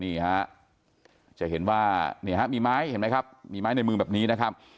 นี่ฮะจะเห็นว่านี่ฮะมีไม้เห็นไหมครับมีไม้ในมือแบบนี้นะครับ